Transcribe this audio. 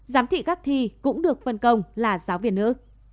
giám thị các thi cũng được phân công là giáo viên nữ